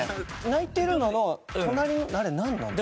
泣いてるのの隣にあれなんなの？